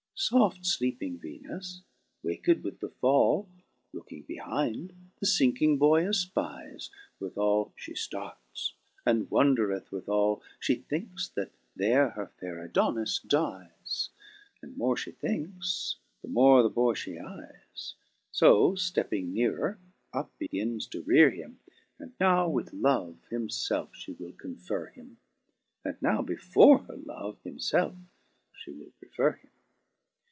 (oft sleeping Venus, waked with the fall. Looking behind, the finking boy efpies ; With all (he ftarts, and wondereth withall ; She thinks that there her faire Adonis dyes, And more fhe thinkes the more the boy flie eyes : So, ftepping neerer, up begins to reare him ; And now with Love himfelfe (he will confer him. And now before her Love himfelfe fhe will prefer him.